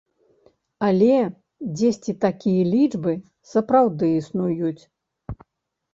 Але дзесьці такія лічбы сапраўды існуюць.